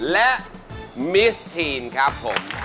และมิสทีนครับผม